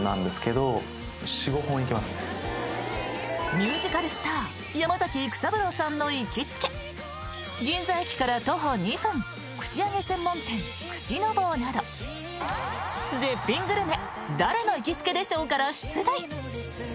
ミュージカルスター山崎育三郎さんの行きつけ銀座駅から徒歩２分串揚げ専門店串の坊など絶品グルメ！